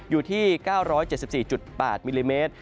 อยู่ที่๙๗๔๘มิลลิเมตร